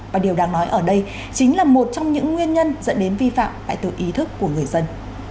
và điều đang nói ở đây chính là một trong những nguyên nhân dẫn đến vi phạm tại tự ý thức của người dân